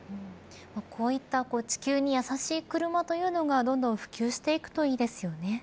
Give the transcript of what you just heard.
こういった地球に優しい車というのがどんどん普及していくといいですよね。